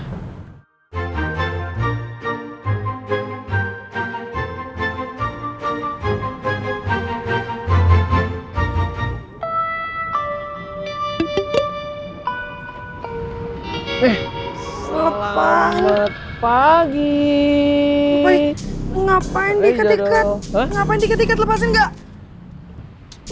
eh lepas pagi ngapain diketiket ngapain diketiket lepas enggak